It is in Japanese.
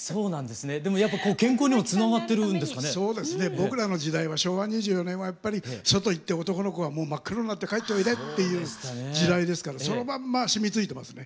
僕らの時代は昭和２４年はやっぱり外行って男の子はもう真っ黒になって帰っておいでっていう時代ですからそのまんま染みついてますね。